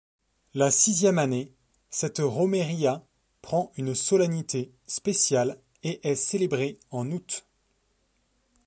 La sixième année, cette romería prend une solennité spéciale et est célébrée en août.